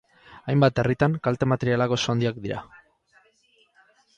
Hainbat herritan, kalte materialak oso handiak dira.